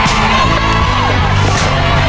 ภายในเวลา๓นาที